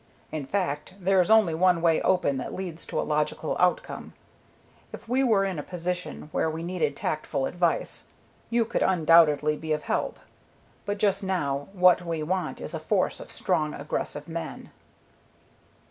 In fact, there is only one way open that leads to a logical outcome. If we were in a position where we needed tactful advice, you could undoubtedly be of help, but just now what we want is a force of strong, aggressive men."